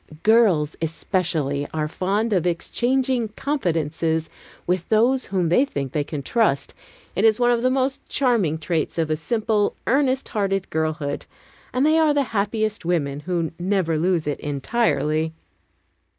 Girls especially are fond of exchanging confidences with those whom they think they can trust; it is one of the most charming traits of a simple, earnest hearted girlhood, and they are the happiest women who never lose it entirely.